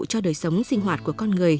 cho đời sống sinh hoạt của con người